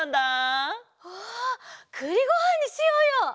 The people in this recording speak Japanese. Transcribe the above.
わあくりごはんにしようよ！